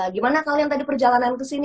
gimana kalian tadi perjalanan kesini